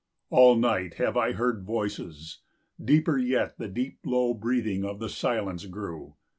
All night have I heard voices: deeper yet The deep low breathing of the silence grew.